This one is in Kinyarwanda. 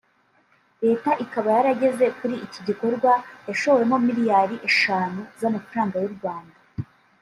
Leta ikaba yarageze kuri iki gikorwa hashowemo miliyari eshanu z’amafaranga y’u Rwanda